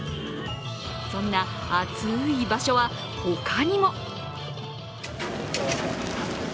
そんな熱い場所は他にも。